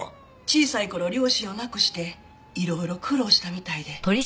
小さい頃両親を亡くして色々苦労したみたいで。